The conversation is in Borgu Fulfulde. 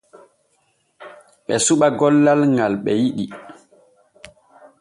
Ɓe suɓa gollal ŋal ɓe yiɗi.